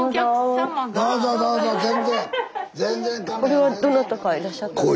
これはどなたかいらっしゃったんですか。